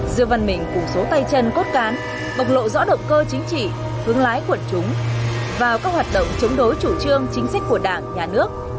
dương văn mình cùng số tay chân cốt cán bộc lộ rõ động cơ chính trị hướng lái quận chúng vào các hoạt động chống đối chủ trương chính xác